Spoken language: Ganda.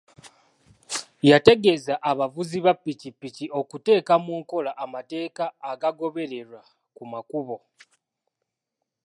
Yategeeza abavuzi ba pikipiki okuteeka mu nkola amateeka agagobererwa ku makubo.